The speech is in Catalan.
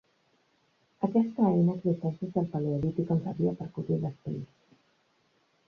Aquesta eina existeix des del paleolític on servia per cosir les pells.